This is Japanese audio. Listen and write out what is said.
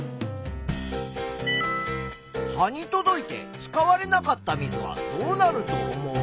葉に届いて使われなかった水はどうなると思う？